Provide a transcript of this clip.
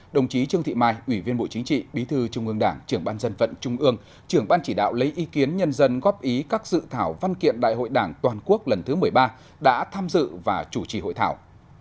đồng chí trương thị mai ủy viên bộ chính trị bí thư trung ương đảng trưởng ban dân vận trung ương trưởng ban chỉ đạo lấy ý kiến nhân dân góp ý các dự thảo văn kiện đại hội đảng toàn quốc lần thứ một mươi ba đã tham dự và chủ trì hội thảo